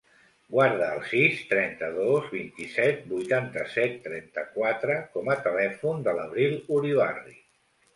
Guarda el sis, trenta-dos, vint-i-set, vuitanta-set, trenta-quatre com a telèfon de l'Abril Uribarri.